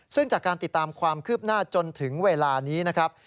ซึ่งจากการติดตามความคืบหน้าจนถึงเวลานี้นะครับ